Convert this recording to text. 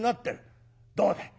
どうだい？